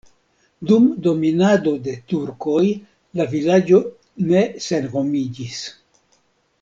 Dum dominado de turkoj la vilaĝo ne senhomiĝis.